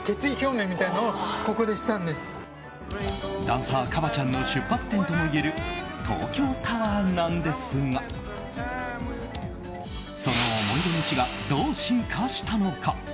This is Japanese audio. ダンサーＫＡＢＡ．ちゃんの出発点ともいえる東京タワーなんですがその思い出の地がどう進化したのか？